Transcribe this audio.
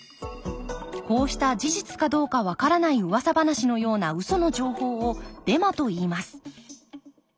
こうした事実かどうかわからないうわさ話のようなウソの情報をデマといいます。